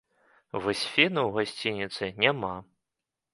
Вось фену ў гасцініцы няма.